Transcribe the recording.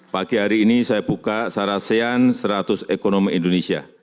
pagi hari ini saya buka sarasean seratus ekonomi indonesia